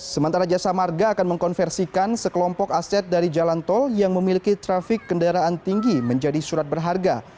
sementara jasa marga akan mengkonversikan sekelompok aset dari jalan tol yang memiliki trafik kendaraan tinggi menjadi surat berharga